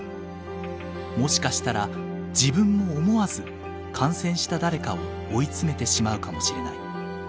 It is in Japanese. もしかしたら自分も思わず感染した誰かを追い詰めてしまうかもしれない。